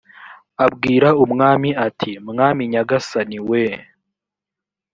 abwira umwami ati mwami nyagasani we